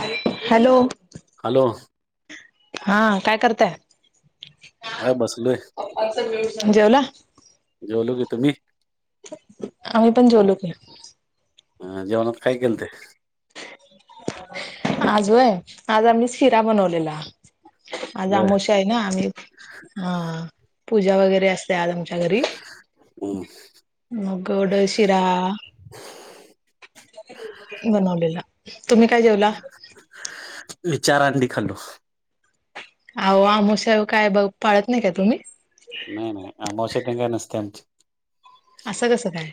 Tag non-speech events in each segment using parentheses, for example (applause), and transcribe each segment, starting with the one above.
(inaudible) Hello! Hello! हा, काय करतायं? हा बसलोय, जेवला जेवलो की, तुम्ही? आम्ही पण जेवलो की. अ जेवणात काय केलत? आज होय, आज आम्ही शिरा बनवलेला. आज होय आमोशा आहे ना आम्ही हा पूजा वगैरे असते आज च्या घरी. हम्म. ह गोड शिरा (inaudible) बनवलेला. तुम्ही काय जेवला? मी चार अंडी खालो. अहो आमवस्या काय बघ, पाळत नाही का तुम्ही? नाही नाही, अमावश्या तेन काय नसते आमची. असं कसं काय?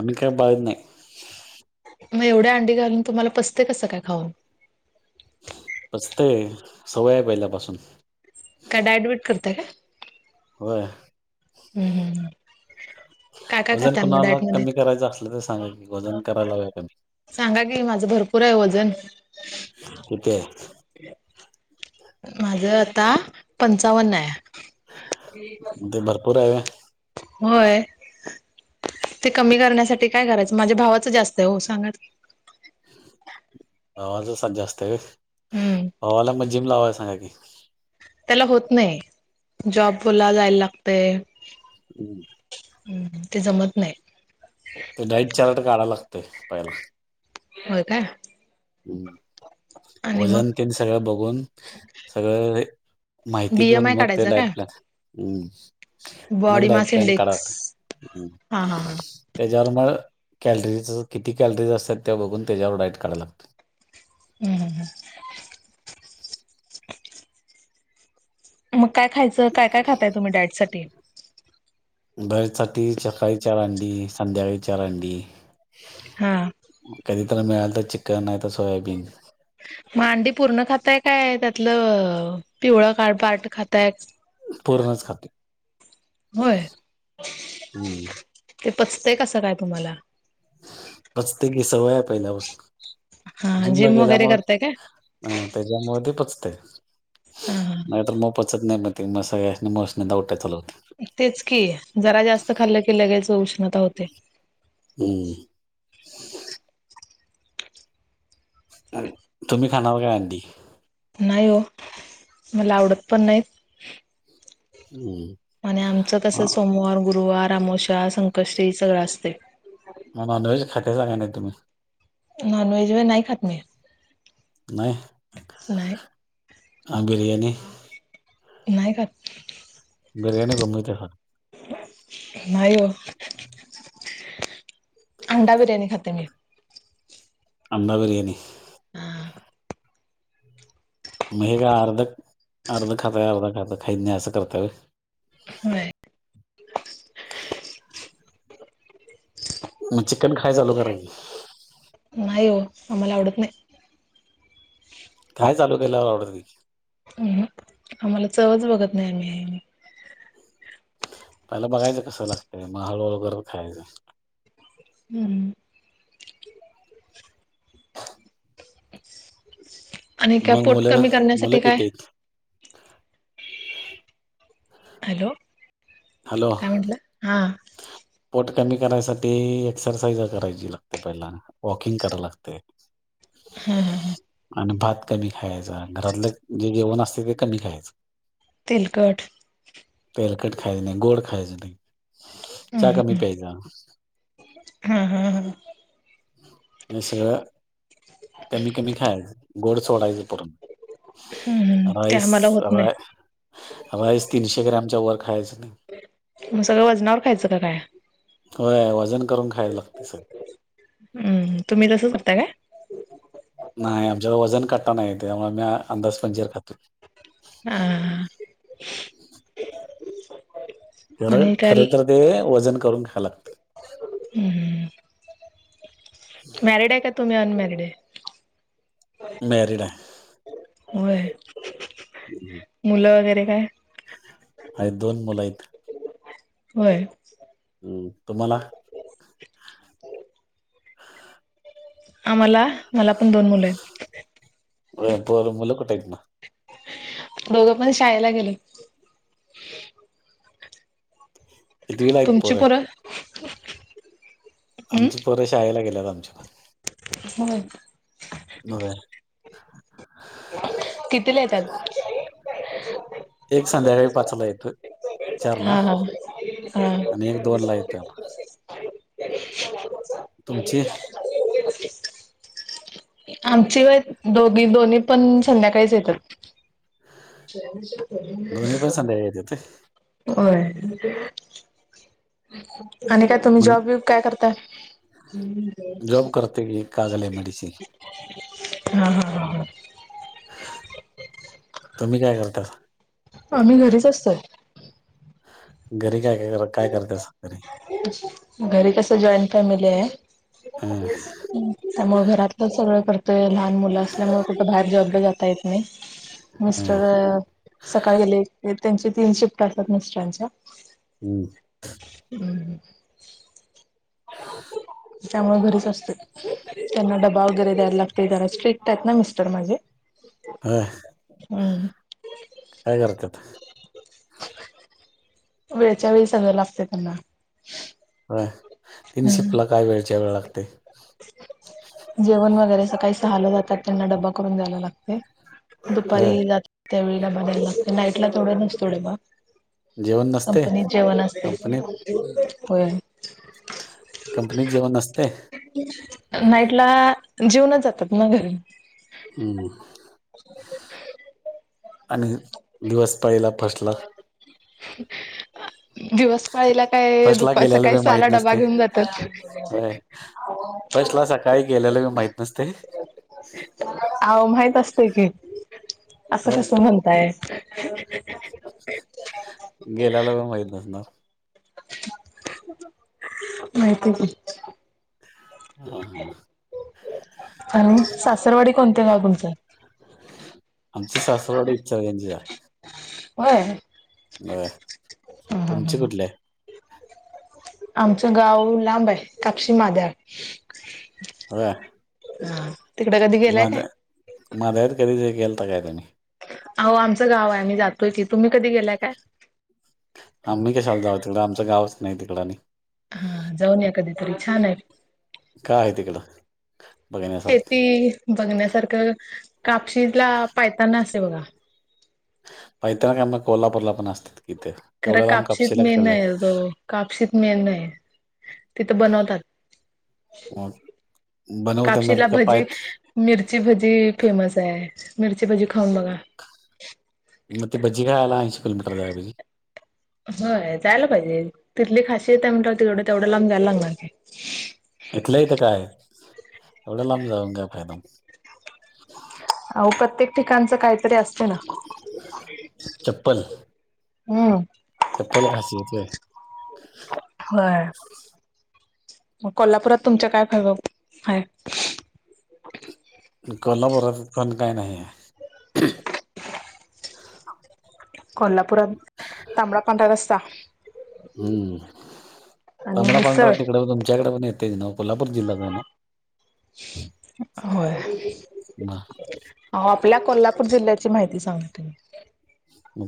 आम्ही काय बगत नाही. मग एवढ्या अंडी घालून, तुम्हाला पसते कसं काय खाऊन? पसतय सवय आहे पहिल्यापासून. काय डाएट वेयेट करतय का? होय. हम् हम्. काय काय वजन खाताय मग कुणाला डाएट मध्ये कमी करायचं असलं तर सांगा की वजन करायला लाग कमी. सांगा की माझं भरपूर आहे वजन. होेतय. माझ आता पंचावन्न आहे. ते भरपूर आहे. होय. ते कमी करण्यासाठी काय करायचं? माझ्या भावाचं जास्त आहे हो सांगा तर. आवाच जास्त आहे हम्म भावाला मग जीम लावाय सांगा की. त्याला होत नाही, जॉबला जायला लागते. हम्. हम्म हं ते जमत नाही. ते डाईट चार्ट काढाय लागतय पहिला होय काय हम् आणि वजन मग तेन सगळं बघून सगळं माहिती बीएम घेऊन आय मग ते काढायचा डायट काय प्लॅन हम् मग बॉडी डाईट मास प्लॅन काडाय इंडेक्स लागते. हा हा हा त्याच्यावर म कॅलरीज किती कॅलरीज असत्यात त्या बघून त्याच्यावर डाईट काढाय लागत. हम् हम हं. मग काय खायचं काय काय खाताय तुम्ही डाएट साठी. डाएट साठी सकाळी चार आंडी संध्याकाळी चार आंडी. हा कधीतर मिळालं तर चिकन नाही तर सोयाबीन. म आंडी पूर्ण खाताय काय त्यातलं पिवळा का पार्ट खाताय. पूर्णच खातोय होय हम्म. ते पचतंय कसं काय तुम्हाला? पचतंय की सवय पहिल्या पासून हा जिमला जिम वगैरे गेल्यामूळ करताय काय अ त्याच्यामुळे ते पचतयं हा हा नाहीतर मग पचत नाही म तुमा सगळ्या मसंन दावट्या चालवत. तेच की जरा जास्त खाल्लं की लगेच उष्णता होते. हम्म.. तुम्ही खानार काय अंडी? नाही ओ, मला आवडत पण नाहीत हम्म. आणि आमच्यात असं हा. सोमवार गुरुवार अमावस्या संकष्टी सगळं असतंय. म नॉनव्हेज खातयसा का नाही तुम्ही? नॉनव्हेज व्हय नाही खात मी. नाही नाही अ बिर्याणी? नाही खात. (unintelligible) नाही ओ, अंडा बिर्याणी खाते मी. अंडा बिर्याणी. हा. मग हे का अर्ध अर्ध खाताय अर्ध खाईत नाही असं करताय व्हय. व्हय. मग चिकन खायाय चालू करा की. नाही ओ, आम्हाला आवडत नाही. खायाय चालू केल्यावर आवडतंय की. अ हं आम्हाला चवच बघत नाही आम्ही आणि. पयला बघायचं कसं लागतंय म हळूहळू करत खायाच. हम्. आणि काय मग पोट मुलं कमी मुलं करण्यासाठी काय? किती आहेत हॅलो हॅलो काय म्हंटला? हा. पोट कमी करायसाठी एक्सरसाईजा करायची लागते पहिला. वॉकिंग कराय लागतय. हा हा हा. आणि भात कमी खायाचा घरातलं जे जेवण असतय ते कमी खायचं. तेलकट तेलकट खायाचं नाही गोड खायाचं नाही. हम्म चहा कमी हम्म प्यायचा. हम्म हा हा हा हे सगळं कमी-कमी खायचं गोड सोडायचं पूर्ण हम्म हम्म ते राईस आम्हाला होत नाही. राई राईस तीनशे ग्रॅमच्या वर खायचं नाही. मग सगळं वजनावर खायचं का काय? होय वजन करून खायला लागतंय सगळं हम्म, तुम्ही तसं करता होय. नाय आमच्यात वजन काटा नाही त्यामुळे आम्ही आ अंदाजपंचे खातोय. हम्म (unintelligible) आणि काय खरं-खरं तर ते वजन करून खायला लागतंय. हम्म मॅरीड आहे का तुम्ही अनमॅरिड आहे? मॅरिड आहे. होय. हम्म हम्म मुलं वगैरे काय? आहेत दोन मुलं आहेत. होय हम्म तुम्हाला? आम्हाला मला पण दोन मुलं होय, आहेत. पोर मुलं कुठे आहेत मग दोघं पण शाळेला गेले. कितवीला आहेत तुमची पोरं हम्म आमची पोर शाळेला गेल्यात आमची पण होय काय? होय. कितीला येतात? एक संध्याकाळी पाचला येतोय चारला हा हा हा आणि एक दोनला येतोय. तुमची? (unintelligible) आमची होय दोघी दोन्ही पण संध्याकाळीच येतात. (unintelligible) येत्यात होय. (unintelligible) आणि काय तुम्ही मग जॉब बीब काय करता? जॉब करते की कागल एम डी हा हा हा हा, तुम्ही काय करतासा? आम्ही घरीच असतोय. घरी काय-काय कर काय करतासा? घरी कस जॉईंट फॅमिली आहे. हं, त्यामुळे घरातलं सगळं करतोय लहान मुलं असल्यामुळे कुठं बाहेर जॉबला जात ता येत नाही हं, मिस्टर सकाळी गेले त्यांच्या तीन शिफ्ट असतात मिस्टरांच्या (unintelligible) हम्म (inaudible) त्यामुळे घरीच असते त्यांना डबा वगैरे द्यायला लागते जरा स्ट्रिक्ट आहेत ना मिस्टर माझे. होय हम्म काय करत्यात? वेळच्या वेळी सगळं लागत त्यांना. होय तीन शिफला हम्म काय वेळच्या वेळ लागतंय? जेवण वगैरे सकाळी सहाला जातात त्यांना डबा करून द्यायला लागतंय. काय दुपारी जाता त्यावेळेला बनवायला लागतय नाईटला तेवढं नसतोय डब्बा. जेवण नसते कंपनीत जेवण असतय कंपनीत होय. कंपनीत जेवण नसतंय? नाईटला जिवूनच जातात ना घरी हम्म आणि दिवस पाळीला फर्स्टला (inaudible) (inaudible) दिवस पाळीला काय फर्स्टला दुपा गेल्याला सकाळी बी माहित सहाला डबा नसते घेऊन जातात. होय फर्स्टला सकाळी गेलेल बी माहित नसतंय. अहो माहित असतंय की असं होय कसं म्हणताय. (inaudible) गेल्याला बी माहित नसणार? माहिताय की. हा हा. आणि सासरवाडी कोणत गाव तुमचं? आमची सासरवाडी इचलकरंजीचं हाय. होय? होय, हं हं तुमची हं कुठली हाय? आमचं गाव लांब आहे कापशी माधळ होय? तिकडे कधी गेलाय माद काय? -मादळ्यात कधी गेलता काय तुम्ही? अहो आमचं गाव आहे आम्ही जातोय की तुम्ही कधी गेलाय काय? आम्ही कशाला जाऊ तिकडं आमचं गावच नाही तिकडं आणि हा जाऊन या कधीतरी छान हाय. काय हाय तिकड? बघण्यासारखं शेती बघण्यासारखं कापशीतला पायतान असतंय बघा. पैतान काय मग कोल्हापूरला पण असते की ईथ खरं तेवढ्या लांब कापशीत कापशीला मेन आहे तो कापशीत मेन ये. तिथं बनवतात जाय बनवताना कापशीला का भजी पायत मिरची भजी फेमस हाय मिरची भजी खाऊन बघा. म ती भजी खायाला ऐंशी किलोमीटर जाया पाहिजे? होय जायला पाहिजे तिथली खाशियत हाय म्हंटल्यावर तिकड तेवढ्या लांब जायला लागणार कि. इथल्या इथं काय हाय एवढं लांब जाऊन काय फायदा? अहो प्रत्येक ठिकाणचं काहीतरी अस चप्पल हम्म. चप्पल खासियत होय? होय मग कोल्हापुरात तुमच्या काय हाय? आणि कोल्हापूरात पण काय नाही आहे (unintelligible) (unintelligible) (inaudible) कोल्हापुरात तांबडा पांढरा रस्सा- हम्म. आणि तांबडा पांढरा मिसळ तिकडं तुमच्या इकडं मिळतंयच नव्ह, कोल्हापूर जिल्ह्यात आहे ना? होय, म- अवो, आपल्या कोल्हापूर जिल्ह्याची माहिती सांगतोय.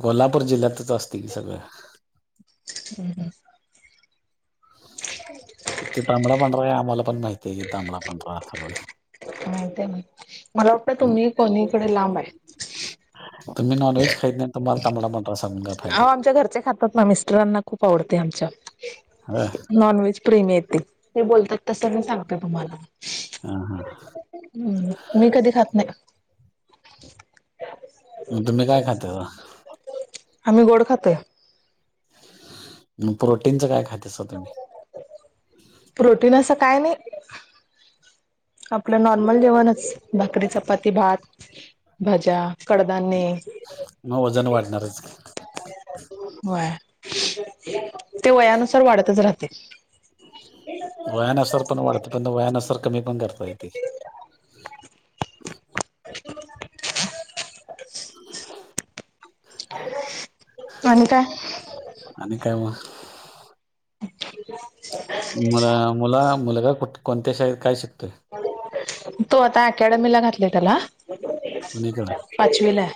कोल्हापूर जिल्ह्यातच असतंय की, सगळं. हम् (inaudible) ह (unintelligible) तांबडा पांढरा आम्हाला पण माहितीय की, तांबडा पांढरा सगळ. माहित आहे मला, मला वाटत तुम्ही कोणीकडे लांब आहे. तुम्ही नॉनव्हेज खाइत नाही आणि तुम्हाला तांबडा पांढरा (unintelligible) फायदा अवो आमच्या घरचे खातात ना, मिस्टरांना खूप आवडते आमच्या, होय? नॉनव्हेज- प्रेमीये ते, ते बोलतात तसं मी सांगते तुम्हाला. हा, हा. हम्. तुम्ही कधी खात नाही का? मग तुम्ही काय खाताव? आम्ही गोड खातोय. मग प्रोटीनचं काय खातेसा तुम्ही? प्रोटीन असं काय नाही. आपलं नॉर्मल जेवणच, भाकरी, चपाती, भात, भाज्या- कडधान्ये. मग वजन वाढणारच की. व्हय, ते वयानुसार वाढतच राहतय. वयानसार पण वाढतय, पण व्यायानसार कमी पण करता येतय. (inaudible) (unintelligible) आणि काय? आणि काय मग? (unintelligible) तुम्हाला मुला- मुलगा कोणत्या शाळेत काय शिकतोय? तो आता अकॅडमीला घातलय त्याला. कुणीकडे पाचवीला आहे,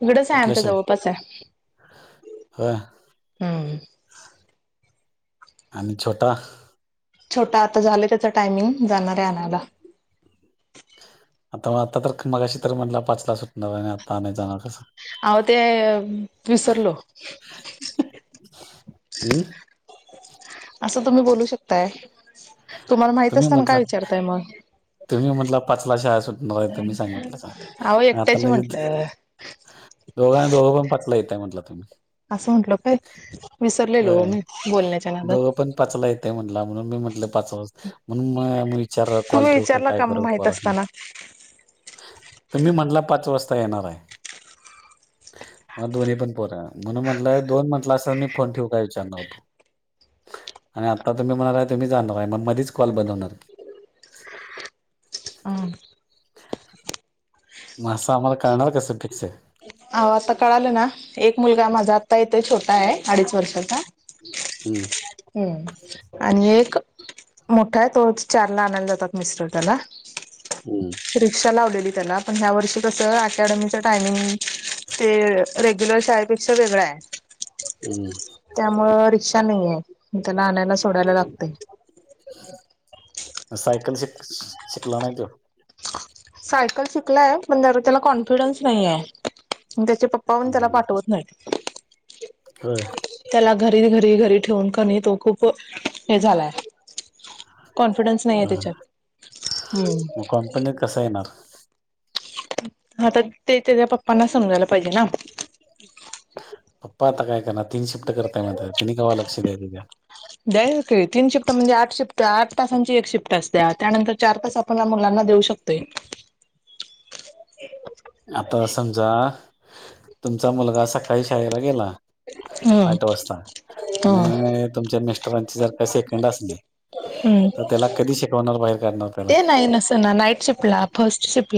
तिकडच आहे, आमच्या जवळपास आहे. हा. हं. आणि छोटा? छोटा आता झाला त्याचा टायमिंग, जाणार आहे आणायला. आताव, आता तर मगाशी तर म्हटला पाचला सुटणार आणि आता जाणार कसं? आव ते, विसरलो. हम्म असं तुम्ही बोलू शकताय, तुम्हाला माहित तुम्ही असताना काय म्हटला विचारताय मग? तुम्ही म्हणला पाचला शाळा सुटणार तर मी सांगितलं, अहो सांग आता - एकट्याची म्हंटलं दोघांनी दोघ पण पटलं येतं म्हटलं तुम्ही. (unintelligible) असं म्हंटलो काय मी, विसरलेलो मी बोलण्याच्या नादात. पचला येतय म्हटला म्हणून मी म्हटल पाच (inaudible) म्हणून विचार कॉल तुम्ही ठेवू - विचारला का मग माहित असताना तुम्ही म्हटला पाच वाजता येणार हाय? मग दोन्ही पण पोर, म्हणून म्हटलं दोन म्हटलं असा मी फोन ठेवू काय विचारणार होतो. आणि आता तुम्ही म्हणायलाय तुम्ही जाणार आहे, मग मधीच कॉल बंद होणार की? ह (inaudible) मग असं आम्हाला करणार कसं पिक्स हे? होह आता कळालं ना एक मुलगा माझा आता येत छोटा आहे अडीच वर्षाचा हम्. हम् आणि एक मोठा आहे तो चारला आणायला जातात मिस्टर त्याला हम्म, रिक्षा लावलेली त्याला पण ह्या वर्षी कसं अकॅडमीचं टायमिंग ते, रेग्युलर शाळेपेक्षा वेगळां आहे. हम्. त्यामुळ रिक्षा नाही आहे त्या आणयला सोडायला लागतेय. मग सायकल स शिकला नाही तोय. सायकल शिकलाय जरा पण त्या त्याला कॉन्फिडन्स नाहीे ओ एम त्याचे प पाहून त्याला हम्म. पाठवत नाही. होय. त्याला घरी घरी घरी ठेवून कणी तो खूप हे झालाय. कॉन्फिडन्स नाही आहे हं. त्याच्यात हम्म मग कंपनीत कसा येणार? आता ते त्याच्या पप्पांना समजायला पाहिजे ना. पप्पा आता काय कर ना तीन शिफ्ट करताय म्हण तिने काव्हा लक्ष ह्यात. दयायनकी तीन शिफ्ट म्हणजे आठ शिफ्ट आठ तासांची एक शिफ्ट असते्या त्यानंतर चार तास आपण मुलांना देऊ शकतोय. आता समजा, तुमचा मुलगा सकाळी शाळेला गेला. हम्म आठ वाजता आणि हम्म य तुमच्या मिस्टरांची जर का सेकंड असली हम्म तर त्याला कधी शिकवणार? बाहेर काढणार त्याला ते नाही नसं नाईट शिफ्टला फर्स्ट शिप्ला.